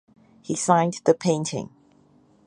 He signed the painting.